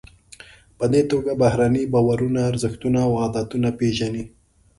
په دې توګه بهرني باورونه، ارزښتونه او عادتونه پیژنئ.